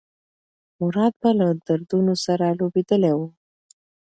مراد به له دردونو سره لوبېدلی و.